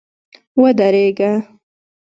ودرېږه !